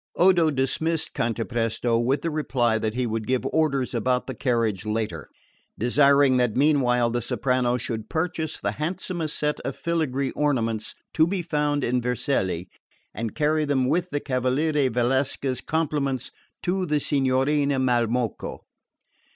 Odo dismissed Cantapresto with the reply that he would give orders about the carriage later; desiring that meanwhile the soprano should purchase the handsomest set of filigree ornaments to be found in Vercelli, and carry them with the Cavaliere Valsecca's compliments to the Signorina Malmocco.